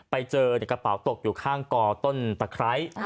ไปเจอกระเป๋าตกอยู่ข้างกอต้นตะไคร้